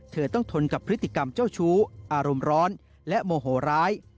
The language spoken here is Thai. เธอต้องทนกับพฤติกรรมเจ้าชู้อารมณ์ร้อนและโมโหร้าย